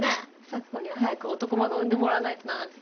咲子には早く男孫を産んでもらわないとなって。